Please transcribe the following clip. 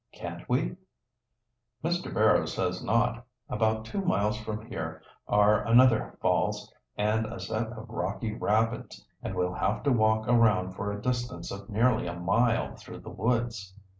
"Can't we?" "Mr. Barrow says not. About two miles from here are another falls and a set of rocky rapids, and we'll have to walk around for a distance of nearly a mile through the woods."